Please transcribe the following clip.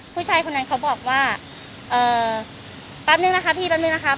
ผู้ชายคนนั้นเขาบอกว่าแป๊บนึงนะคะพี่แป๊บนึงนะครับ